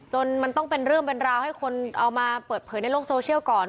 จนมันต้องเป็นเรื่องเป็นราวให้คนเอามาเปิดเผยในโลกโซเชียลก่อน